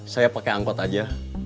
saya pakai angkot aja